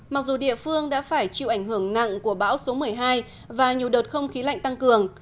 mặc dù địa phương đã phải chịu ảnh hưởng nặng của bão số một mươi hai và nhiều đợt không khí lạnh tăng cường